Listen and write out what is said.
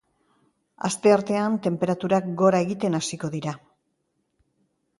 Asteartean tenperaturak gora egiten hasiko dira.